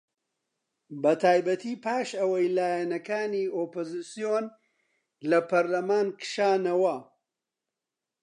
بەتایبەتی پاش ئەوەی لایەنەکانی ئۆپۆزسیۆن لە پەرلەمان کشانەوە